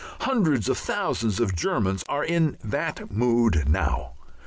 Hundreds of thousands of Germans are in that mood now.